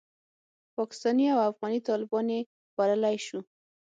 پاکستاني او افغاني طالبان یې بللای شو.